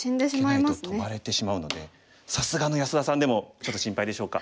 受けないとトバれてしまうのでさすがの安田さんでもちょっと心配でしょうか。